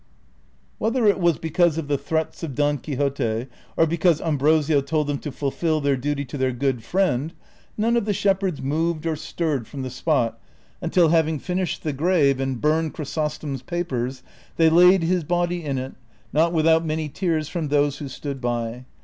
Whether it was because of the threats of Don Quixote, or because Ambrosio told them to fulfil their duty to their good friend, none of the shepherds moved or stirred from the spot until, having finished the grave and burned Chrysostonfs papers, they laid his body in it, not Avithout many tears from those Avho stood by.